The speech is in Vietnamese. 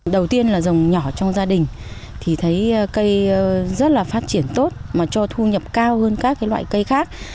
đầu tiên là dòng nhỏ trong gia đình thì thấy cây rất là phát triển tốt mà cho thu nhập cao hơn các loại cây khác